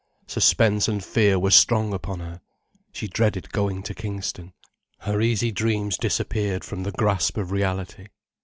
Suspense and fear were strong upon her. She dreaded going to Kingston. Her easy dreams disappeared from the grasp of reality.